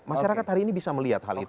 masyarakat hari ini bisa melihat hal itu